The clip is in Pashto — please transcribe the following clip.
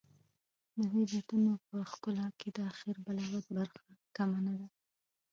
د دې بیتونو په ښکلا کې د اخر بلاغت برخه کمه نه ده.